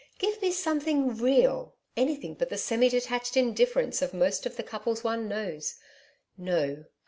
Give me something REAL anything but the semi detached indifference of most of the couples one knows. No.